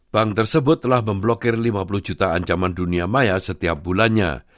bank tersebut telah memblokir lima puluh juta ancaman dunia maya setiap bulannya